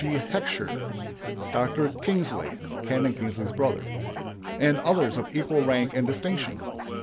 G. Hecksher, Doctor Kingsley (Canon Kingsley's brother), and others of equal rank and distinction.